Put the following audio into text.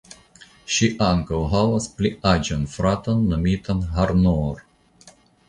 Ŝi ankaŭ havas pli aĝan fraton nomitan Harnoor.